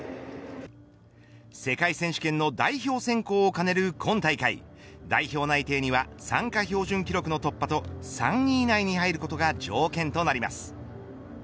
世界選手権の代表選考をかねる今大会代表内定には参加標準記録の突破と３位以内に入ることが条件となります。